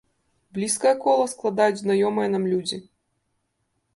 Блізкае кола складаюць знаёмыя нам людзі.